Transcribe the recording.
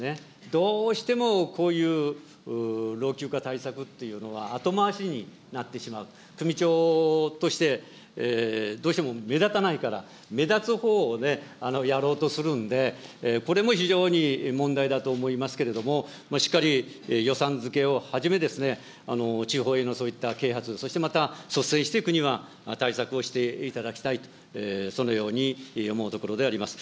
どうしてもこういう老朽化対策というのは、後回しになってしまう、首長として、どうしても目立たないから、目立つほうをやろうとするんで、これも非常に問題だと思いますけれども、しっかり予算づけをはじめ、地方へのそういった啓発、そしてまた、率先してくには対策をしていただきたいと、そのように思うところであります。